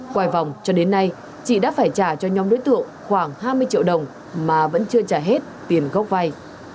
quay vòng cho đến nay chị đã phải trả cho nhóm đối tượng khoảng hai mươi triệu đồng mà vẫn chưa trả hết tiền gốc vay